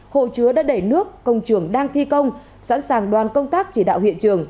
hồ chứa đã đẩy nước công trường đang thi công sẵn sàng đoàn công tác chỉ đạo hiện trường